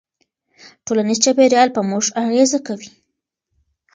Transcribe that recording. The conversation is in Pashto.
ټولنیز چاپېریال په موږ اغېزه کوي.